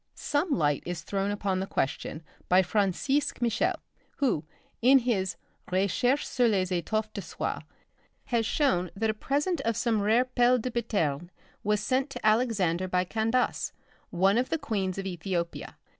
Some light is thrown upon the question by Francisque Michel who (in his 'Récherches sur les Etoffes de Soie') has shown that a present of some rare pailes de Biterne was sent to Alexander by Candace, one of the queens of Ethiopia.